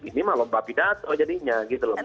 ini mah lomba pidato jadinya gitu lho mbak